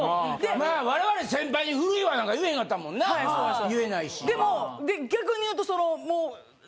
まあ我々先輩に「古いわ。」なんか言えへんかったもんな。言えないし。でも逆に言うとその。